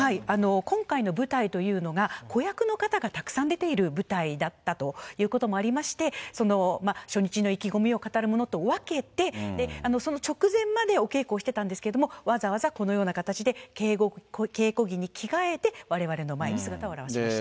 今回の舞台というのが、子役の方がたくさん出ている舞台だったということもありまして、初日の意気込みを語るものと分けて、その直前までお稽古をしてたんですけども、わざわざこのような形で、稽古着に着替えて、われわれの前に姿を現しました。